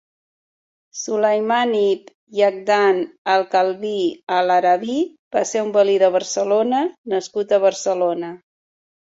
Sulayman ibn Yaqdhan al-Kalbí al-Arabí va ser un valí de Barcelona nascut a Barcelona.